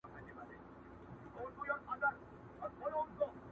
o کلاله، وکه خپله سياله٫